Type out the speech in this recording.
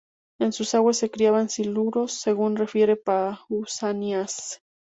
En sus aguas se criaban siluros, según refiere Pausanias.